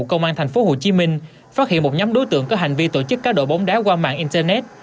công an tp hcm phát hiện một nhóm đối tượng có hành vi tổ chức cá độ bóng đá qua mạng internet